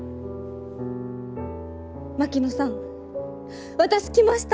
槙野さん私来ました！